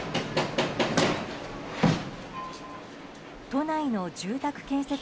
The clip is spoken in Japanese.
都内の住宅建設